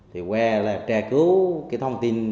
trè cứu thông tin